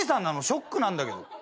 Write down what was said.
ショックなんだけど。